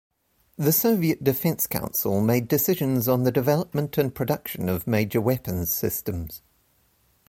The Soviet Defense Council made decisions on the development and production of major weapons-systems.